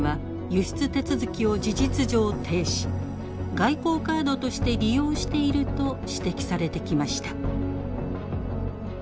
外交カードとして利用していると指摘されてきました。